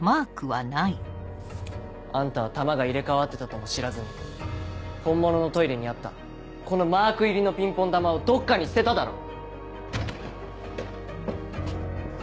あんたは球が入れ替わってたとも知らずに本物のトイレにあったこのマーク入りのピンポン球をどっかに捨てただろ。